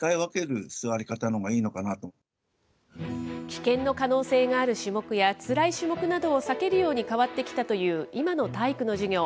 危険の可能性がある種目やつらい種目などを避けるように変わってきたという今の体育の授業。